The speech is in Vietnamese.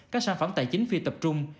các sản phẩm tài chính phi tập trung